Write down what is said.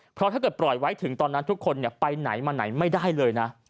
เพราะถ้าเกิดปล่อยไว้ถึงตอนนั้นทุกคนไปไหนมาไหนไม่ได้เลยนะ